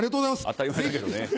当たり前だけどね。